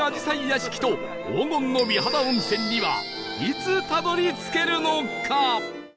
屋敷と黄金の美肌温泉にはいつたどり着けるのか？